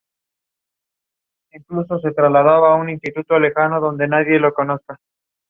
Pío Bello Ricardo y Mons.